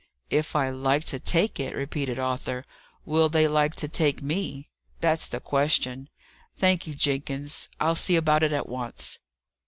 "If I like to take it!" repeated Arthur. "Will they like to take me? That's the question. Thank you, Jenkins; I'll see about it at once."